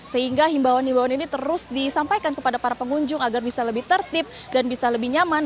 sehingga himbauan himbauan ini terus disampaikan kepada para pengunjung agar bisa lebih tertib dan bisa lebih nyaman